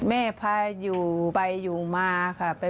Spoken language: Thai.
แม่พาอยู่ไปอยู่มาค่ะ